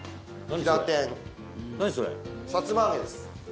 ひら天さつま揚げです